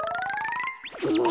もう！